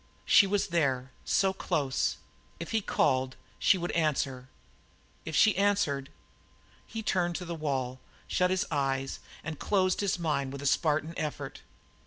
She was there, so close. If he called, she would answer; if she answered He turned to the wall, shut his eyes, and closed his mind with a Spartan effort.